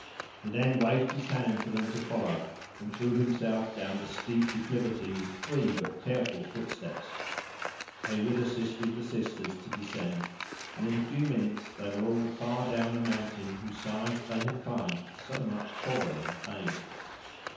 He then waved his hand for them to follow, and threw himself down the steep declivity, with free, but careful footsteps. Heyward assisted the sisters to descend, and in a few minutes they were all far down a mountain whose sides they had climbed with so much toil and pain.